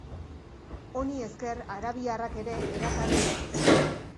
Honi esker, arabiarrak ere erakarri ditu.